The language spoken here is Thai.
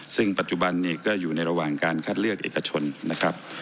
ซึ่งปัจจุบันนี้ก็อยู่ในระหว่างการคัดเลือกเอกชนนะครับ